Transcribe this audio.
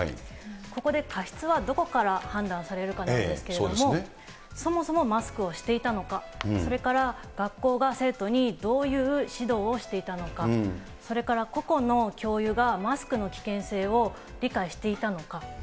ここで過失はどこから判断されるかなんですけれども、そもそもマスクをしていたのか、それから学校が生徒にどういう指導をしていたのか、それから個々の教諭がマスクの危険性を理解していたのか。